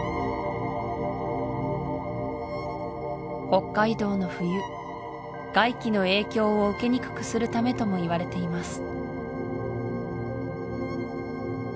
北海道の冬外気の影響を受けにくくするためともいわれています